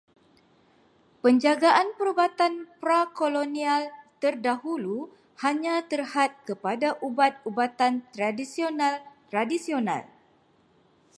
Penjagaan perubatan pra-kolonial terdahulu hanya terhad kepada ubat-ubatan tradisional tradisional.